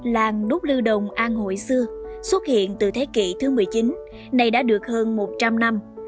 làng nút lưu đồng an hội xưa xuất hiện từ thế kỷ thứ một mươi chín này đã được hơn một trăm linh năm